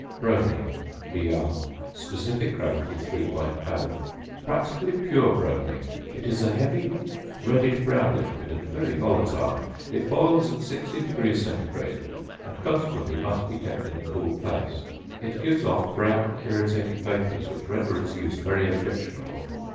~Bromine~, Br. (sp. gr. 3.0). Practically pure bromine. It is a heavy reddish brown liquid and very volatile. It boils at 60° C., and, consequently, must be kept in a cool place. It gives off brown irritating vapours, which render its use very objectionable.